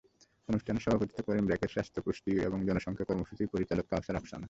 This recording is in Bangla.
অনুষ্ঠানে সভাপতিত্ব করেন ব্র্যাকের স্বাস্থ্য, পুষ্টি এবং জনসংখ্যা কর্মসূচির পরিচালক কাওসার আফসানা।